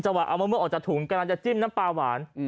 ว่าเอามะม่วงออกจากถุงกำลังจะจิ้มน้ำปลาหวาน